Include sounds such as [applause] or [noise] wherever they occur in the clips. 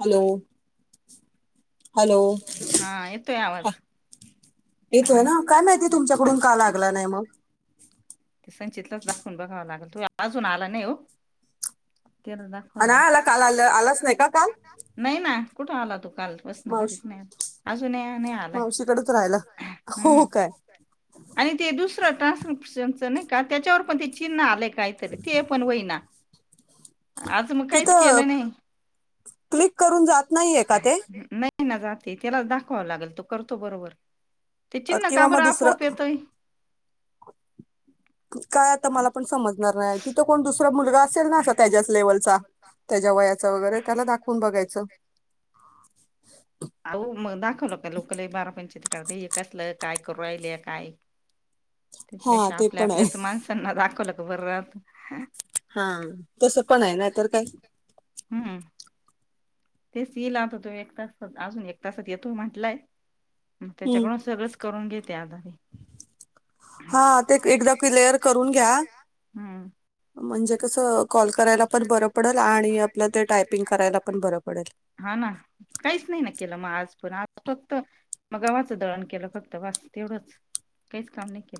Hello hello हा येतोय ह आवाज येतोय ना काय माहितीय तुमच्याकडून का लागला नाही मग ते संचितलाच दाखवून बघावं लागेल तू अजून आला नाही हो द आणिय आला काल आलं आलाच नाही का काल नाही ना कुठे आला तू काल बसन घरीच मावशी नाही अजून नाही आलाय मावशीकडेच राहिला हो हम् काय आणि ते दुसरं ट्रान्सशनच नाही का त्याच्यावर पण ते चिन्ह आलेय का काहीतरी ते पण होईना आज मग काहीच तिथं केलं नाही क्लिक करून जात नाहीये का ते नाही ना जाते त्यालाच दाखवावं लागेल तो करतो बरोबर ते अ, चिन्ह किंवा मग काबरं दुसरं आपोआप येतय काय आता मला पण समजणार नाही तिथं कोण दुसरा मुलगा असेल ना असा त्याच्याच लेवलचा त्याच्या वयाचं वगैरे त्याला दाखवून बघायचं अह मग दाखवलं का लोक ल बारा पणचती करत हे कसलं काय करू राहिले काय [inaudible] हा त्याच्यापेक्षा ते आपल्या पण आहे आपल्याच माणसांना दाखवलं ग बरात हा तस पण आहे ना तरर काय हम्म तेच येल आता तो एक तासात अजून एक तासात येतो म्हटलायग हम्म. त्याच्याकडून सगळंच करूनग त्या आधारी हा ते एकदम मी रलेअर करून घ्या ह म्हणजे कसं कॉल करायला पण बरं पडेल आणि आपल्या ते टायपिंग करायला पण बरं पडेल हा ना काहीच नाही ना केलं मग आज पण आज फक्त मग गावाचं दळण केलं फक्त वास तेवढंच काहीच काम नाही के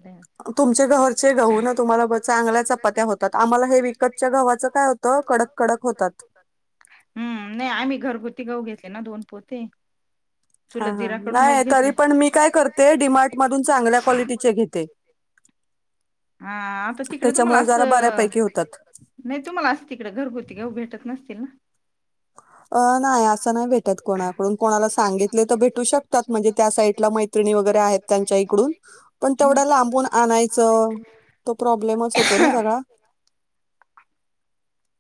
तुमचे घरचे गहू ना तुम्हाला ब चगल्याच्या पत्या होतात आम्हाला हे विकत च्या गव्हाचं काय होतं कडक कडक होतात हम् नाही आम्ही घरगुती गाऊ घेतले ना दोन पोते हा चुलत हा नाही दिराकडूनच तरी घेतले पण मी काय करते डिमार्ट मधून चांगल्या क्वालिटीचे घेते हा आता तिकडे तुम्हाला त्याच्यामुळे जरा असं बऱ्यापैकी होतात नाही तुम्हाला अस तिकडे घरगुती घेऊ भेटत नसतील ना अ नाही असं नाही भेटत कोणाकडून कोणाला सांगितले तर भेटू शकतात म्हणजे त्या साईडला मा िणी वगैरे आहेत त्यांच्या इकडून पण तेवढं लांबून आणायचं तो प्रॉब्लेमच होतो ना स हम्म.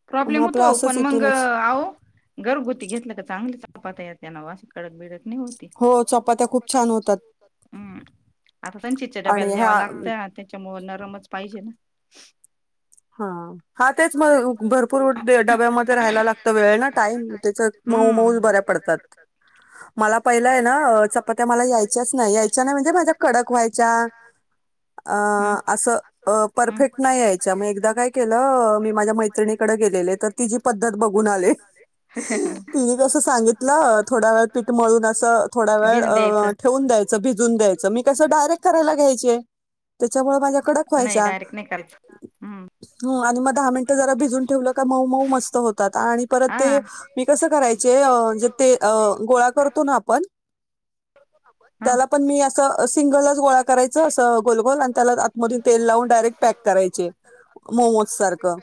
प्रॉब्लेम होतो पण मग आह घरगुती घेतलं का चांगली चपात या त्याना वास कडक बीडक नई होत. हो चपात्या खुप छान होतात अम्म आता संचितच्या आणि डब्याला ह्या द्यावं लागतंय ते त्याच्यामुळे नरमच पाहिजे ना, हा हा तेच म भरपूर डब्यामध्ये राहायला लागतं वेळ ना, टाईम त्याच मऊ मऊज हम्म बऱ्या पडतात. मला पहिलंय ना, अ चपात्या मला यायच्याच नाही यायच्या नाही म्हणजे माझ्या कडक व्हायच्या अ हम्म अस अ हम्म. परफेक्ट नाही यायच्या म एकदा काय केलं हो मी माझ्या मैत्रिणीकडे गेलेले तर ती जी पद्धत बघून आले. तिने कसं सांगितलं थोडा वेळ पीठमळून असं थोडा वेळ भिजून अ द्यायचं ठेवून द्यायचं भिजून द्यायचं मी कसं डायरेक्ट करायला घ्यायचे, त्याच्यामुळे माझ्या कडक व्हायच्या. [unintelligible] करायच. हम्म. हो आणि मग दहा मिनटं जरा भिजून ठेवलं का मऊ मऊ मस्त होतात आणि परत हा ते मी कसं करायचे अ जे ते अ गोळा करतो ना आपण हा त्याला पण मी असं सिंगलच गोळा करायचं, असं गोलगोल आणि त्याला आतमधून तेल लावून डायरेक्ट पॅक करायचे. मोमोज सारखं.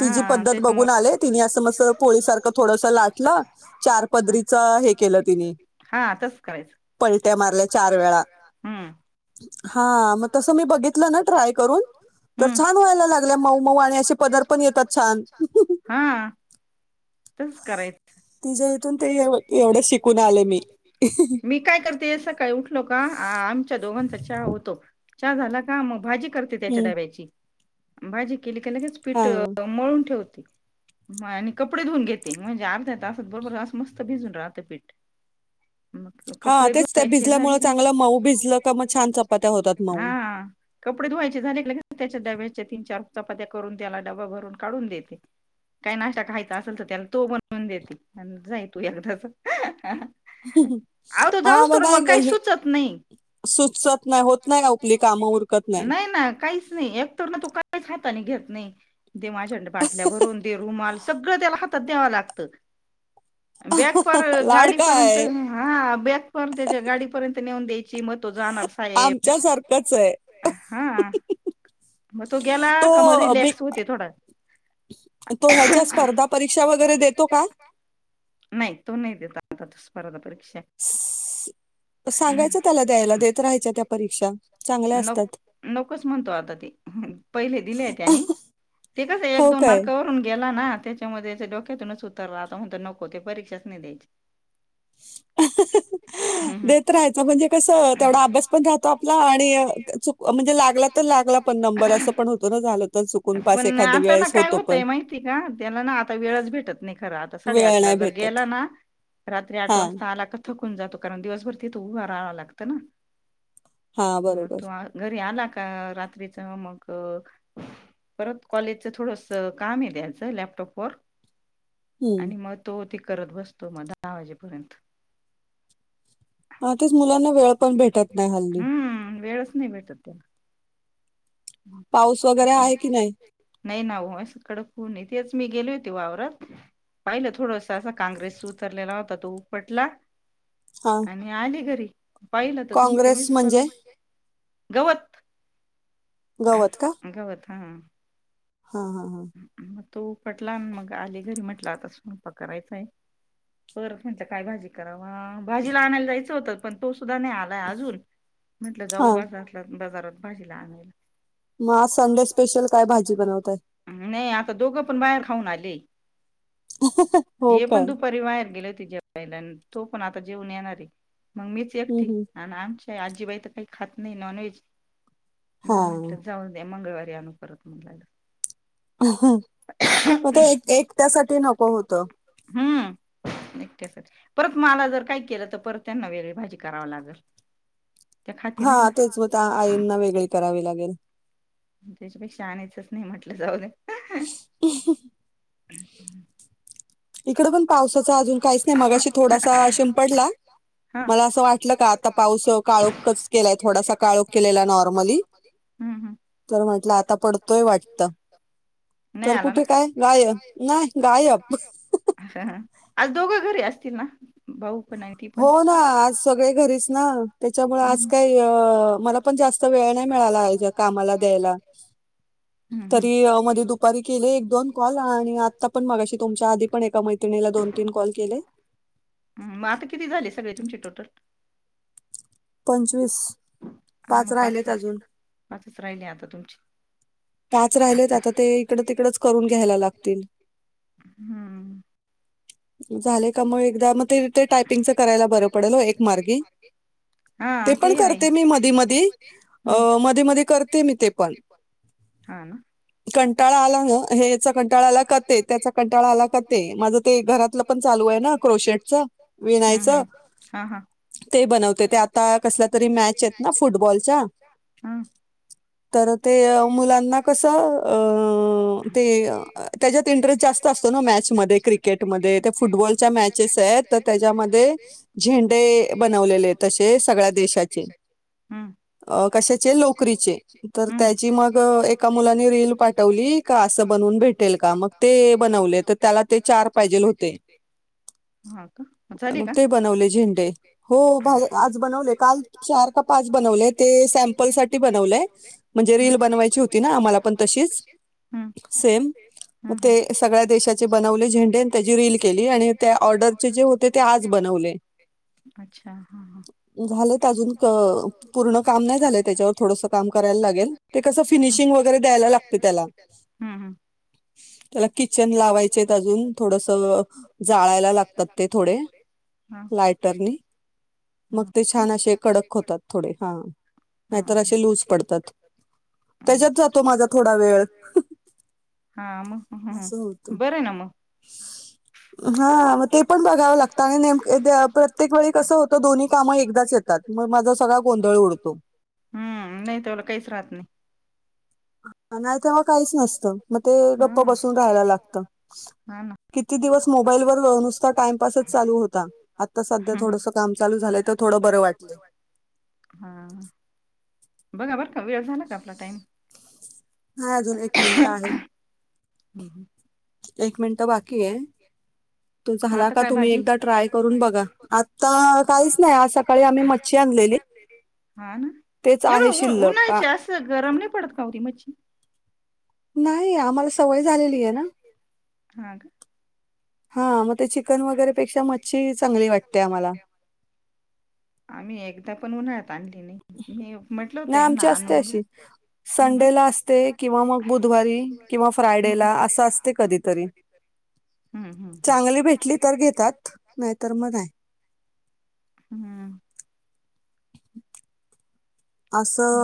ति जी पद्धत त्याच्यामुळ बघून आले तिने असं मस पोळीसारखं थोडस लाटलं चार पदरीच हे केलं तिने हा तच करायच. पलट्या मारल्या चार वेळा. हा तस मी बघीतल ना, ट्राय करून ता छान कट व्हायला लागल्या मऊ मऊ आणि असे लागल्या [unintelligible] पदर येतात पण छान हा तसच करायचं. तिच्या इथून ते एवढं शिकून आले मी. मी काय करते सकाळी उठलो का आमच्या दोघांचा चहा होतो चहा झाला का म भाजी कर त्याच्या हं. डब्याची भाजी केली क लगेच हा. पीठ मळून ठेवते. म आणि कपडे धुून घेते म्हणजे अर्ध्या तासत बरोबर आस मस्त भिजून राहतं पीठ. मग हा कपडे तेच त्या धुवायचे झाले भिजल्यामुळे का मऊ चांगलं भिजलं का भिजत मग छान होतात चपात्या मऊ. हा कपडे धुवायचे झाले क त्याच्या डब्याच्या, तीन चार चपात्या करून त्याला डबा भरून काढून देते. काय नाश्ता खायचा असेल तर त्याला तो बनवून देते जाई तू एकदाच. आता हा जाऊस तर मग नाही ग काही हे सुचत नाही. सुचत नाही होत नाही आपली [unintelligible] कामं उरकत नाही ना काहीच नाही. तो ना तो काहीच हाता घेत नाही ते माझ्या बाटल्या भरून दे रुमाल सगळ त्या हात तात द्याव लागतं. बॅग पर लाड गाडीपर्यंत काय हा बॅग पर त्याच्या गाडीपर्यंत नेऊन द्यायची. ची म तव जाणार साहेब आमच्या सारखंच आहे. हा. मग तो गेला का मग तो मी रिलॅक्स होते थोडा तो ह्याच्या स्पर्धा परीक्षा वगैरे देतो का? नाही तो नाही देत आता त स्पर्धा परीक्षा. [inaudible] सागत सांगायचं त्याला द्यायला चला त्याला देत राहायच्या त्या परीक्षा चांगल्या राहयच्या नक असतात. नकच म्हणतो आता ते पहिले दिलेय त्यानी ते कसं आहे एक हो दोन काय? मार्क [unintelligible] गेला ना, त्याच्यामध्ये डोक्यातूनच उतर राताण नको ते परीक्षाच नाही द्यायचे. [inaudible] देत राहायचं म्हणजे कस तेवढा अभ्यास पण राहतो आपला आणि अ चुक म्हणजे लागला तर लागला पण नंबर असं पण होतो ना, झालं तर चुकून पास एखाद्या वेळेस होतो. पण. ताई माहिती का त्याला ना, आता वेळच भेटत नाही खंर आता साडे वेळ आठ [unintelligible] नाही ज भेटत. गेला ना, रात्री आठ हां, वाजता आला का थकून जातो कारण दिवसभर तिथ उभा राहाव लागतं ना हां, [unintelligible] बरोबर. तो. घरी आला का रात्रीच मग. परत कॉलेजचं थोडंस काम आहे त्याचं लॅपटॉपवर. हं. आणि मग तो ते करत बसतो मग दहा वाजेपर्यंत. हां, तेच मुलांना वेळ पण भेटत नाही हल्ली. हम्म वेळस नाही भटते. पाऊस वगैरे आहे की नाही? आहेत का. नाही ना होकड खन तेच मी गेले होते वावरात. पाहिलं थोडस असं काँग्रेस उतरलेला होता तो उपटला. हा. मी आली घरी पाहिलं तर तुमचे म्हणजे मिसकलून गवत. गवत का. अगवत हां. हा हा हा. मग तो पटला मग आली घरी म्हटलं आतापा करायचाय. पर म्हटलं काय भाजी कराव भाजीला आणायला जायचं होतं पण तो सुद्धा नाही आला. अजून म्हटलं जाऊ ब हां, असला बाजारात भाजीला आणायला. मग आज संडे स्पेशल काय भाजी बनवताय. नाही आता दोघं पण बाहेर खाऊन आले. हो हे पण काय? दुपारी बाहेर गेले तिच्या्या बाईला आणि तो पण आता जेऊन येणारी. मग मीच हं, एकटी हं. आणि आमच्या आजीबाई तर काही खात नाही नॉनव्हेज. हां. मंगळवारी आणू परत म्हणला. ह मग ते एक एक त्यासाठी नको होतं. हम्म एकट्याच परत मला जर काही केलं तर परत त्यांना वेगळी भाजी कराव लागेल. हा तेच मत आईंना वेगळी करावी लागेल. त्याच्यापेक्षा आणायचंच नाही म्हटलं जाऊ दे. ह. हम्. इकडे पण पावसाचा अजून काहीच नाही मगाशी थोडासा शिं पडला. हा मला असं वाटलं का आता पाऊस काळोखच केलाय थोडासा काळोख केलेला नॉर्मली. हम्म हम्म तर म्हटलं आता पडतोय वाटत. नाही तर आला कुठे काय गायब नाही गायब. ह आज दोघं घरी असतील ना. बऊ पण नाहीती. हो ना आज सगळे घरीच ना त्याच्यामुळे आज हम्म काय. मला पण जास्त वेळ नाही मिळाला कामाला द्यायला. हम्म हम्म तरी मध्ये दुपारी केले एक दोन कॉल आणि आता पण मगाशी तुमच्या आधी पण एका मै्री. तला दोन तीन कॉल केले. मग आता किती झाले सगळे तुमचे टोटल. पंचवीस. हां पाच मग राहिलेत अजून पाचच पाचच राहिले आता तुमची. पाच राहिलेत आता ते इकड तिकडच करून घ्यायला लागतील. हम्म झाले का म एकदा मग ते ते टायपिंगचं करायला बरं पडेल हो एक मार्गी. हा ते पण आहे करते मी मधी मधी अ हम्म मधी मधी करते मी ते पण. हा ना. कंटाळा आला ना हे याचा कंटाळा आला कात त्याचा कंटाळा आला कात माझं ते घरातलं पण चालू. क्रोशेट च हम्म विनायचं. हम्म हा हा कसल्या तरी मॅच आहेत ना फुटबॉलच्या [unintelligible] तर ते. मुलांना कस ते त्याच्यात इंटरेस्ट जास्त असतो ना मॅच म क्रे. क्रिकेटमध्ये ते फुटबॉलच्या मॅच. तर त्याच्यामध्ये झेंडे बनवलेले तसे सगळ्या देशाचे. हम्म अ कशाचे लोकरीचे तर हम्म त्याची मग एका मुलानी रील पाठवली का अस बनवून भेटेल का मग ते बनवले तर त्याला ते चार फादे होते मग ते बनवले झेंडे हो आज बनवले काल चार का पाच बनवलंय ते सॅमपल साठी बनवलंय म्हणजे हम्म रील बनवा आम पण त हम्म हम्म हम्म सग्या देशा ब झें त्याची रील केली आणि त्या ऑर्डर अच्छा हा ह झालं अजून पूर्ण काम नाही झालं त्याच्यावर थोडस काम करायला लागेल ते कस फिनिशिंग वगैरे द्यायला लागते त्याला हम् हम त्याला किचन लावायचे अजून थोडस जाळायला लागतात ते थोडे हा लायटरनी मग हा ते का छान असे कडक होतात थोडे हा हा नाहीतर असे लूज पडतात हा त्याच्यात जातो माझा थोडा वेळ हा मग हम्म असं होत हम्म. बरं आहे ना मग [unintelligible] हा ते पण बघावं लागतं आणि नेमके प्रत्येक वेळी कसं होतं दोन्ही काम एकदाच येतात मग माझा सगळा गोंधळ उडतो हम्म नाही त बला काहीच राहत नाही नाही तेव्हा काहीच नसतं मग ते गप्प हा बसून राहायला लागत हा ना किती दिवस मोबाईल वर नुसता टाइमपासच चालू होता आता सध्या हम्म हम्म. थोडस काम चालू झाले तर थोडं बरं वाटय हा बघा बरं का वेळ झाला का आपला टाइम हा अजून एक मिनटं आहे ह ह एक मिनट बाकी आहे तो झाला आता का काय तुम्ही भाजी एकदा ट्राय करून बघा आता काहीच नाही आज सकाळी आम्ही मच्छी आणलेली हा ना तेच आहे एवढं उ शिल्लक का उन्हाळ्याची असं गरम नाही पडत कावरी मच्छी नाही आम्हाला सवय झालेली आहे ना हा का हा म ते चिकन वगैरेपेक्षा मच्छी चांली वाटते आम्हाला. आम्ही एकदा पण उन्हाळत आण तने ना आमची असते अशी हा संडेला असते किंवा मग बुधवारी किंवा फ्रायडेला ना असं असते कधीतरी हम्म हम्म चांगली भेटली तर घेतात नाही तरर मग आहे हम्म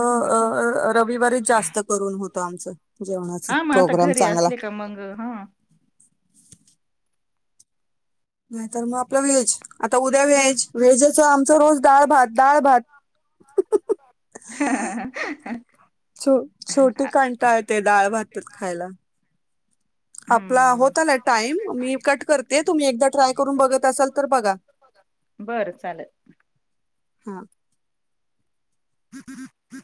बरं मग काय रविवारीच जास्त करून होतं आमचं जेवणाचा प्रोग्राम चांगला चमंग हा नाहीतर मग आपलं व्हेज आता उद्या व्हेज व्हेजचं आमच रोज डाळ भात डाळ भात ह छोटी कंटाळते डाळ भात खायला आपला हम्म होत आला टाइम मी कट करते तुम्ही एकदा ट्राय करून बघत असाल तर बघा बरं चालेल हा [unintelligible]